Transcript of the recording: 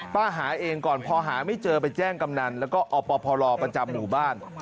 หาเองก่อนพอหาไม่เจอไปแจ้งกำนันแล้วก็อปพลประจำหมู่บ้าน